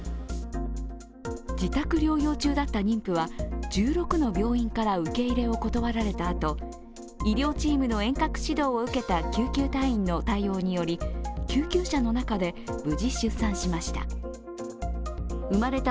自宅療養中だった妊婦は１６の病院から受け入れを断られたあと医療チームの遠隔指導を受けた救急隊員の対応により救急車の中で無事出産しました。